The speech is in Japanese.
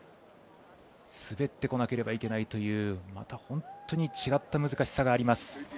滑っていかなければいけないという本当に違った難しさがあります。